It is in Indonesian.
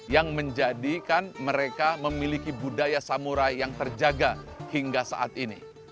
yang menjadikan mereka memiliki budaya samurai yang terjaga hingga saat ini